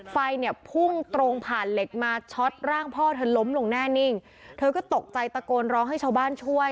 ไฟเนี่ยพุ่งตรงผ่านเหล็กมาช็อตร่างพ่อเธอล้มลงแน่นิ่งเธอก็ตกใจตะโกนร้องให้ชาวบ้านช่วย